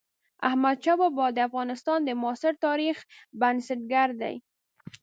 احمد شاه بابا د افغانستان د معاصر تاريخ بنسټ ګر دئ.